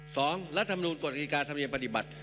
สองรัฐธรรมดูลกฎกิจกาศ์ภรรยีปฏิบัติ